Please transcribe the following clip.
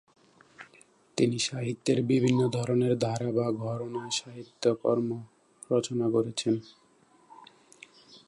তিনি সাহিত্যের বিভিন্ন ধরণের ধারা বা ঘরণায় সাহিত্যকর্ম রচনা করেছেন।